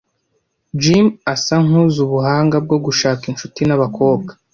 Jim asa nkuzi ubuhanga bwo gushaka inshuti nabakobwa.